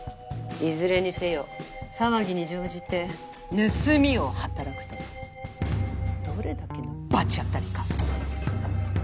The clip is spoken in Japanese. いずれにせよ騒ぎに乗じて盗みを働くとはどれだけの罰当たりか。